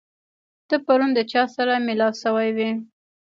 ته پرون د چا سره مېلاو شوی وې؟